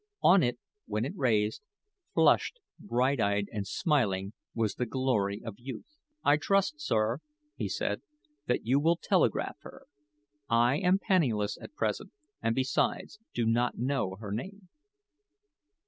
On it, when it raised flushed, bright eyed and smiling was the glory of youth. "I trust, sir," he said, "that you will telegraph her. I am penniless at present, and, besides, do not know her name."